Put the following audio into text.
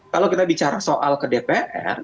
kalau kita bicara soal ke dpr